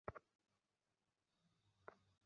হাঁটু গেড়ে বসে চোখ বন্ধ করে প্রার্থনা করুন।